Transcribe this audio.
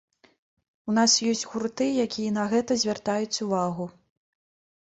У нас ёсць гурты, якія на гэта звяртаюць увагу.